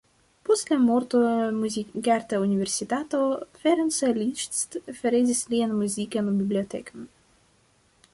Post la morto Muzikarta Universitato Ferenc Liszt heredis lian muzikan bibliotekon.